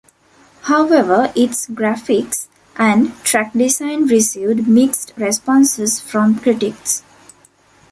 However, its graphics, and track design received mixed responses from critics.